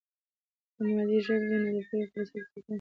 که مادي ژبه وي، نو د پوهې په رسولو کې خنډ نشته.